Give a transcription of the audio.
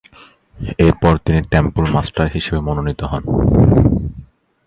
এরপর তিনি temple master হিসেবে মনোনীত হন।